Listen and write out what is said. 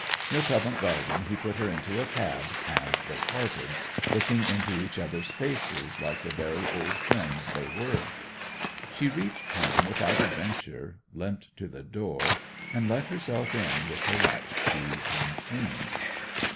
Near Covent Garden he put her into a cab, and they parted, looking into each other's faces like the very old friends they were. She reached home without adventure, limped to the door, and let herself in with her latch key unseen.